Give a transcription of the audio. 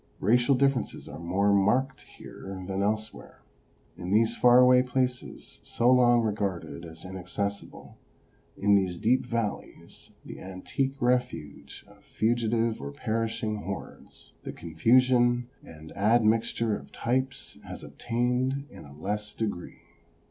Racial differences are more marked here than elsewhere. In these far away places, so long regarded as inaccessible, in these deep valleys, the antique refuge of fugitive or perishing hordes, the confusion and admixture of types has obtained in a less degree.